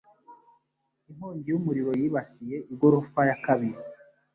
Inkongi y'umuriro yibasiye igorofa ya kabiri.